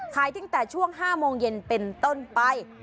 ขายตั้งแต่ช่วง๕โมงเย็นเป็นต้นไป